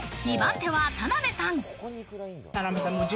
２番手は田辺さん。